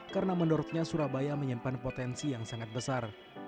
karena menurutnya surabaya menyimpan potensi yang sangat besar